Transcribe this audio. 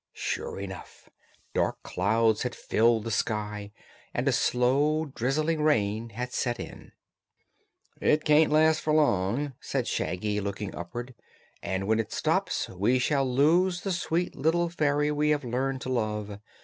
Sure enough, dark clouds had filled the sky and a slow, drizzling rain had set in. "It can't last for long," said Shaggy, looking upward, "and when it stops we shall lose the sweet little fairy we have learned to love.